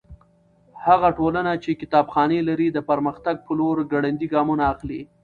هغه ټولنه چې کتابخانې لري د پرمختګ په لور ګړندي ګامونه اخلي.